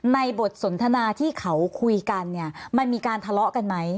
บทสนทนาที่เขาคุยกันเนี่ยมันมีการทะเลาะกันไหม